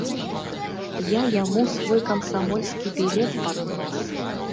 Я яму свой камсамольскі білет пад нос.